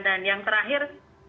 dan yang terakhir